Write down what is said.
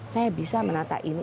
saya bisa menata ini